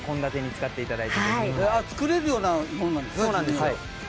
作れるようなものなんですか？